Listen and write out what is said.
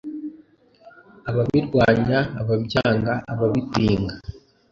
ababirwanya ababyangaababipinga